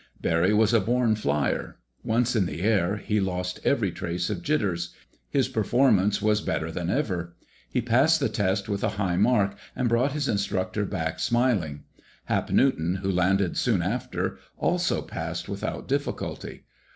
Barry was a born flier. Once in the air, he lost every trace of jitters. His performance was better than ever. He passed the test with a high mark, and brought his instructor back smiling. Hap Newton, who landed soon after, also passed without difficulty.